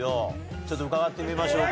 ちょっと伺ってみましょうか。